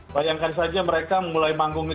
bayangkan saja mereka mulai manggung